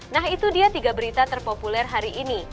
nah itu dia tiga berita terpopuler hari ini